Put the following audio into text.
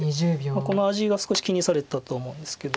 この味が少し気にされたと思うんですけど。